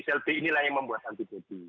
sel b inilah yang membuat antibody